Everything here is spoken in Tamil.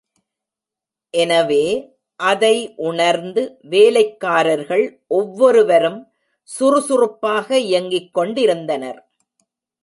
எனவே அதை உணர்ந்து வேலைக்காரர்கள் ஒவ்வொரு வரும் சுறுசுறுப்பாக இயங்கிக் கொண்டிருந்தனர்.